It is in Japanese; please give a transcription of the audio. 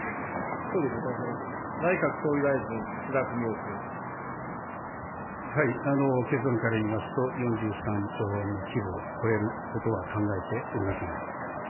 内閣総理大臣、結論から言いますと、４３兆円の規模を超えることは考えておりません。